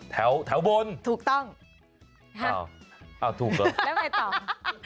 แถวบนถูกต้องฮะแล้วไงต่ออ่าถูกหรอ